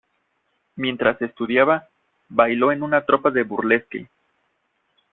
Mientras estudiaba, bailó en una tropa de Burlesque.